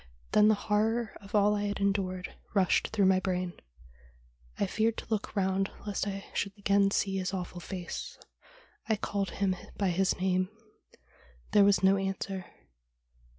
Then the horror of all I had endured rushed through my brain. I feared to look round lest I should again see his awful face. I called him by his name. There was no answer.